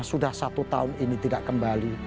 sudah satu tahun ini tidak kembali